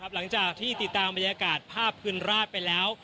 หลังจากที่ติดตามบรรยากาศภาพคืนราชไปแล้ว